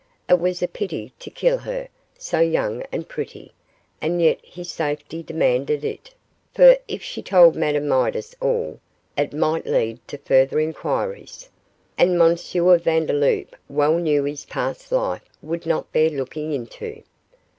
It was a pity to kill her, so young and pretty, and yet his safety demanded it; for if she told Madame Midas all, it might lead to further inquiries, and M. Vandeloup well knew his past life would not bear looking into.